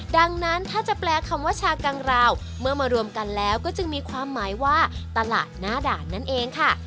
ดังนั้นถ้าจะแปลคำว่าชากังราวเมื่อมารวมกันแล้วก็จึงมีความหมายว่าตลาดหน้าด่านนั่นเองค่ะ